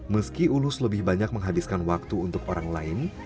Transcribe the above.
meski ulus lebih banyak menghabiskan waktu untuk orang lain